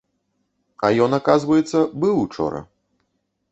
А ён, аказваецца, быў учора.